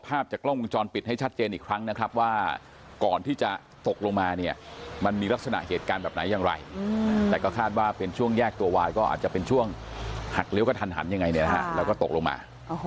ภาพจากกล้องวงจรปิดให้ชัดเจนอีกครั้งนะครับว่าก่อนที่จะตกลงมาเนี่ยมันมีลักษณะเหตุการณ์แบบไหนอย่างไรแต่ก็คาดว่าเป็นช่วงแยกตัววายก็อาจจะเป็นช่วงหักเลี้ยกระทันหันยังไงเนี่ยนะฮะแล้วก็ตกลงมา